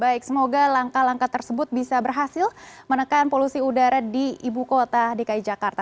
baik semoga langkah langkah tersebut bisa berhasil menekan polusi udara di ibu kota dki jakarta